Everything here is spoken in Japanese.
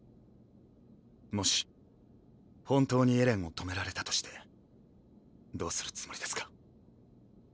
もし本当にエレンを止められたとしてどうするつもりですか？